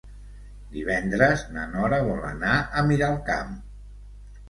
Divendres na Nora vol anar a Miralcamp.